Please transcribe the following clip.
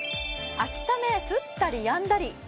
秋雨、降ったりやんだり。